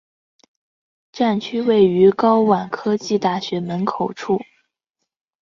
站区位于高苑科技大学大门口处。